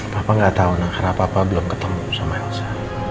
papa gak tau karena papa belum ketemu sama elsa